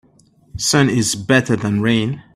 Sun is better than rain.